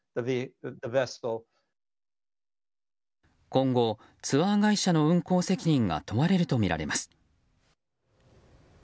今後、ツアー会社の運航責任が問われるとみられます。